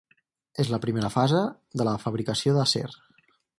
És la primera fase de la fabricació d'acer.